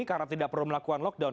karena tidak perlu melakukan lockdown